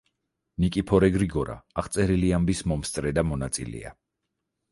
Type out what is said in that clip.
ნიკიფორე გრიგორა აღწერილი ამბების მომსწრე და მონაწილეა.